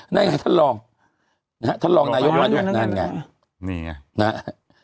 นั่นไงท่านรองนะฮะท่านรองนายกมาด้วยนั่นไงนี่ไงนะฮะ